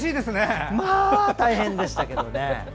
まあ大変でしたけどね。